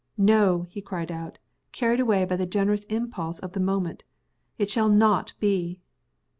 "No!" he cried out, carried away by the generous impulse of the moment. "It shall not be!"